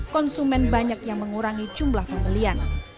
konsumen banyak yang mengurangi jumlah pembelian